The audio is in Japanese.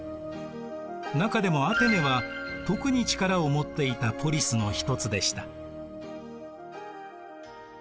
中でもアテネは特に力を持っていたポリスのひとつでした。